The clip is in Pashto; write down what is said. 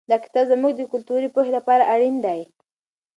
دا کتاب زموږ د کلتوري پوهې لپاره اړین دی.